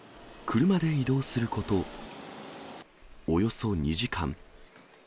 車で移動することおよそ２時間。